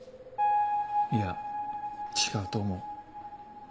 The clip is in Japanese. いや違うと思う。